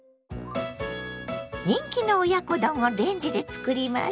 人気の親子丼をレンジで作ります。